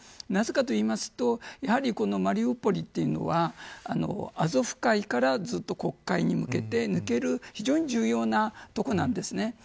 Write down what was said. なぜかというとやはりこのマリウポリというのはアゾフ海からずっと黒海に向けて抜ける非常に重要な所なんです。